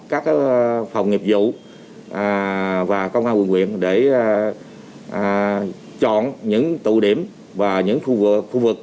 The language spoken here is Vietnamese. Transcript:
các phòng nghiệp dụ và công an quân nguyện để chọn những tụ điểm và những khu vực